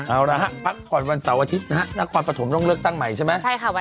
เอาละฮะแม่ก่อนวันเสาร์อาทิตย์นครประถมกอย่างเลิกตั้งใหม่ใช่ไหม